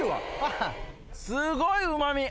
すごいうまみ！